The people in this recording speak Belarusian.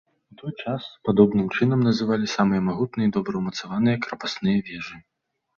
У той час падобнай чынам называлі самыя магутныя і добра ўмацаваныя крапасныя вежы.